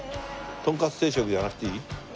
とんかつ定食じゃなくていい？